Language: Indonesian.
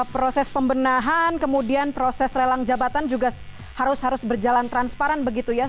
proses pembenahan kemudian proses lelang jabatan juga harus berjalan transparan begitu ya